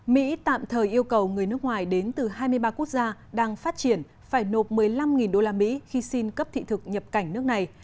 mỹ tạm thời yêu cầu người nước ngoài đến từ hai mươi ba quốc gia đang phát triển phải nộp một mươi năm usd khi xin cấp thị thực nhập cảnh nước này